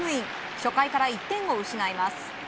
初回から１点を失います。